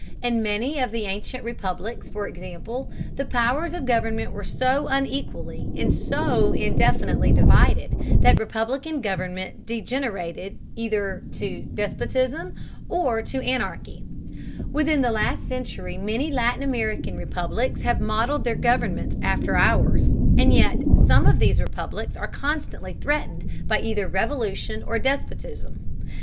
In many of the ancient republics, for example, the powers of government were so unequally and so indefinitely divided that republican government degenerated either to despotism or to anarchy. Within the last century many Latin American republics have modeled their governments after ours, and yet some of these republics are constantly threatened by either revolution or despotism.